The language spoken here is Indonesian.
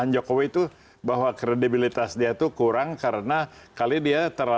jokowi dan sandi